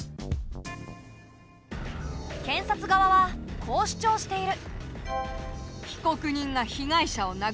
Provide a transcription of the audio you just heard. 検察側はこう主張している。